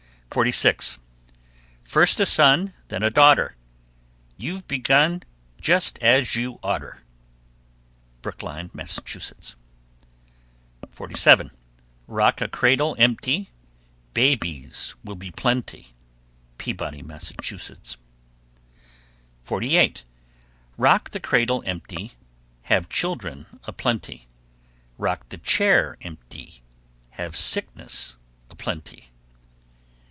_ 46. First a son, then a daughter, You've begun just as you oughter. Brookline, Mass. 47. Rock a cradle empty, Babies will be plenty. Peabody, Mass. 48. Rock the cradle empty, Have children a plenty, Rock the chair empty, Have sickness a plenty.